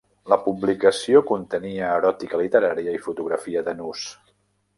La publicació contenia eròtica literària i fotografia de nus.